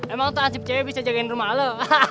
emang tuh ansip cewek bisa jagain rumah lo